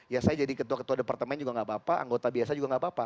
ya saya jadi ketua ketua departemen juga gak apa apa anggota biasa juga nggak apa apa